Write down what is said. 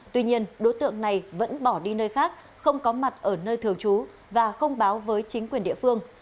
tuy nhiên đối tượng này vẫn bỏ đi nơi khác không có mặt ở nơi thường trú và không báo với chính quyền địa phương